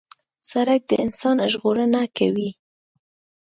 سړک د انسان ژغورنه کوي.